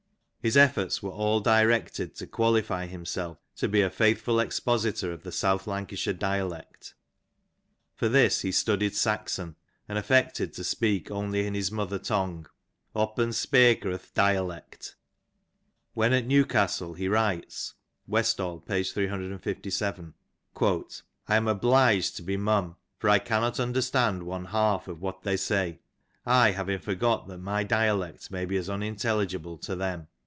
His efforts were all directed to qualify himself to be a faithful expositor of the South Lancashire dialect ; for this he studied Saxon, and affected to speak only in his mother tongue —'* opp'n speyker o'*th' dialect.^^ When at Newcas tle he writes (^. p. 357) : "I am obliged to be mum, for I cannot '^ understand one half of what they say^ I having forgot that my ^Mialect may be as unintelligible to them.''